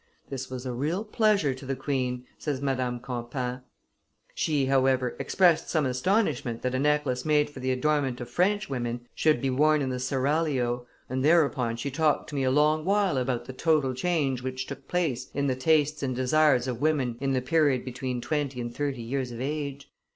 "This was a real pleasure to the queen," says Madame Campan; "she, however, expressed some astonishment that a necklace made for the adornment of Frenchwomen should be worn in the seraglio, and, thereupon, she talked to me a long while about the total change which took place in the tastes and desires of women in the period between twenty and thirty years of age.